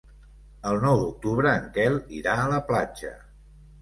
El nou d'octubre en Quel irà a la platja.